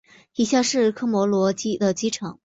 以下是科摩罗的机场。